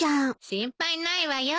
心配ないわよ。